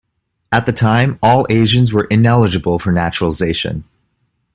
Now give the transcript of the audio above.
At the time, all Asians were ineligible for naturalization.